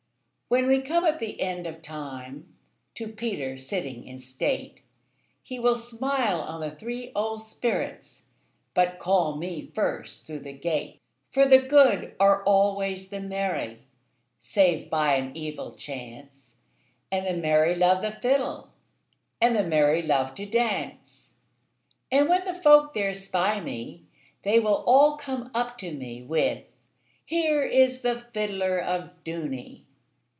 When we come at the end of time, To Peter sitting in state, He will smile on the three old spirits, But call me first through the gate; For the good are always the merry, Save by an evil chance, And the merry love the fiddleAnd the merry love to dance:And when the folk there spy me, They will all come up to me, With 'Here is the fiddler of Dooney!